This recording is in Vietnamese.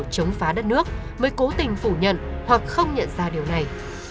chống phá đất nước mới cố tình phủ nhận hoặc không nhận ra điều này